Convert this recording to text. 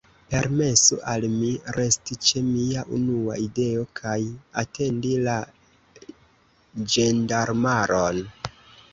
Permesu al mi, resti ĉe mia unua ideo, kaj atendi la ĝendarmaron.